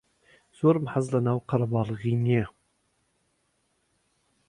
زۆر حەزم لەناو قەرەباڵغی نییە.